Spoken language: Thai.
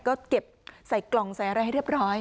ก็เก็บใส่กล่องใส่อะไรให้เรียบร้อย